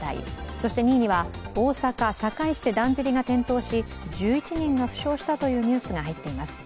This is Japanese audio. そして２位には大阪・堺市でだんじりが転倒し１１人が負傷したというニュースが入っています。